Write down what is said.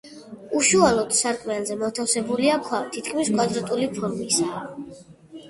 უშუალოდ სარკმელზე მოთავსებულია ქვა თითქმის კვადრატული ფორმისაა.